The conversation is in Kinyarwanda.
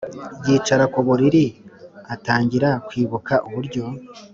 yicara kuburiri atangira kwibuka uburyo